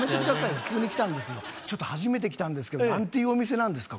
普通に来たんですよちょっと初めて来たんですけどなんていうお店なんですか